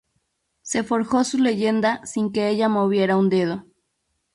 Se forjó su leyenda sin que ella moviera un dedo.